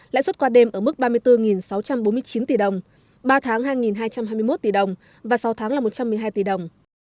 lãi suất qua đêm ở mức ba mươi bốn sáu trăm bốn mươi chín tỷ đồng ba tháng hai hai trăm hai mươi một tỷ đồng và sáu tháng là một trăm một mươi hai tỷ đồng